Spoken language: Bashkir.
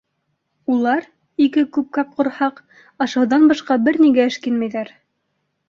Улар, ике күпкәк ҡорһаҡ, ашауҙан башҡа бер нигә эшкинмәйҙәр.